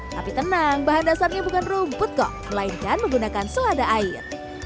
tapi tenang bahan dasarnya bukan rumput kok melainkan menggunakan selada air